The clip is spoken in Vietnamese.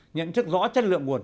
nhận chất rõ chất lượng nguồn